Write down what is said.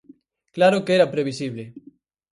Claro que era previsible.